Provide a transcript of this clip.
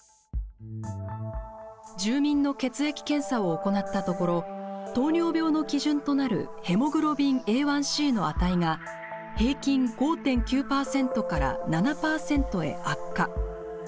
住民の血液検査を行ったところ糖尿病の基準となるヘモグロビンＡ１ｃの値が平均５．９％から７％へ悪化。